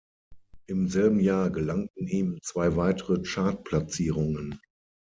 Im selben Jahr gelangten ihm zwei weitere Chartplatzierungen.